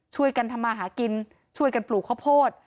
ช่วยกันทำมาหากินช่วยกันปลูกข้าวโพด